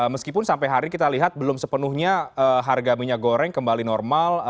meskipun sampai hari ini kita lihat belum sepenuhnya harga minyak goreng kembali normal